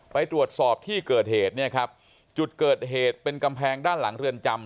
ไปตรวจสอบที่เกิดเหตุเนี่ยครับจุดเกิดเหตุเป็นกำแพงด้านหลังเรือนจำ